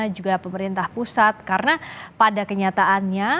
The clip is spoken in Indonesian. juga pemerintah pusat karena pada kenyataannya